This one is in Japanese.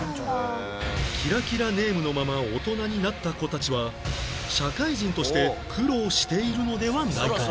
キラキラネームのまま大人になった子たちは社会人として苦労しているのではないか？